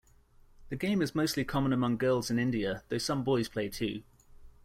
The game is mostly common among girls in India, though some boys play too.